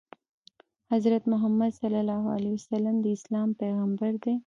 حضرت محمد ﷺ د اسلام پیغمبر دی.